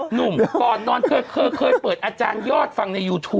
หนุ่มก่อนนอนเคยเปิดอาจารยอดฟังในยูทู